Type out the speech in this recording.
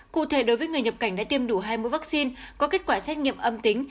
cụ thể đối với người nhập cảnh đã tiêm đủ hai mươi vaccine có kết quả xét nghiệm âm tính